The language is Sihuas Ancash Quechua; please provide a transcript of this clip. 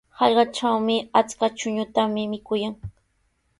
Hallqatrawqa achka chuñutami mikuyan.